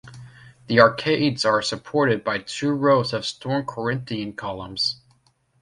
The arcades are supported by two rows of stone Corinthian columns.